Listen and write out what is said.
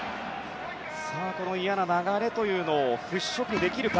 嫌な流れというのを払拭できるか。